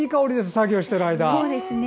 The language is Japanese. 作業している間。